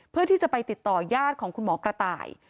เพื่อที่จะไปติดต่อยาดของคุณหมอกระต่าย